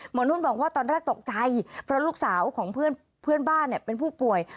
นุ่นบอกว่าตอนแรกตกใจเพราะลูกสาวของเพื่อนบ้านเป็นผู้ป่วย